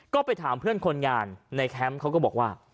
ก็ไปถามเพื่อนคนงานในแคมป์เขาก็บอกว่า